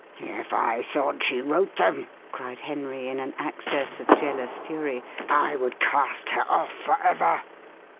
"If I thought she wrote them," cried Henry, in an access jealous fury, "I would cast her off for ever."